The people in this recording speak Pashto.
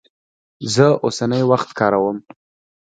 زه اوسنی وخت کاروم.